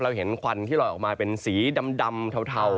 เห็นควันที่ลอยออกมาเป็นสีดำเทา